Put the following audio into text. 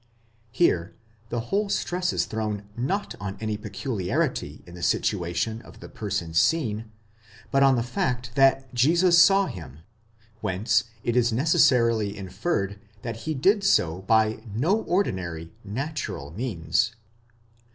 Here the whole stress is thrown not on any peculiarity in the situation of the person seen, but on the fact that Jesus saw him, whence it is necessarily inferred that he did so by no ordinary, natural means.